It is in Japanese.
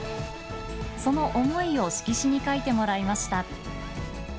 その思いを色紙に書いてもらいました。